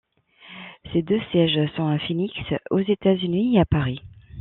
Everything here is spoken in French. Ses deux sièges sont à Phoenix, aux États-Unis, et à Paris.